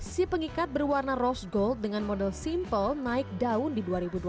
si pengikat berwarna rose gold dengan model simple naik daun di dua ribu dua puluh